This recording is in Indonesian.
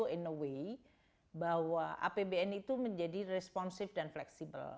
in away bahwa apbn itu menjadi responsif dan fleksibel